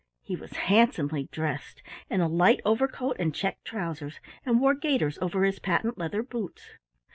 He was handsomely dressed in a light overcoat and checked trousers, and wore gaiters over his patent leather boots.